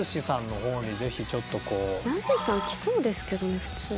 康さん来そうですけどね普通に。